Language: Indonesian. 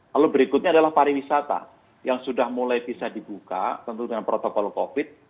lalu berikutnya adalah pariwisata yang sudah mulai bisa dibuka tentu dengan protokol covid